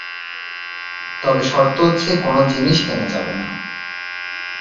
তবে শর্ত হচ্ছে কোন জিনিস কেনা যাবে না।